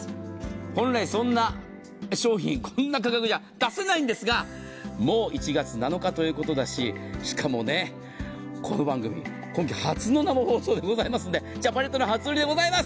本来、そんな商品こんな価格じゃ出せないんですがもう１月７日ということだししかもこの番組初の生放送でございますのでジャパネットの初売りでございます。